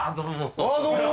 あどうも。